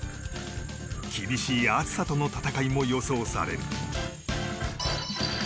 厳しい暑さとの戦いも予想される。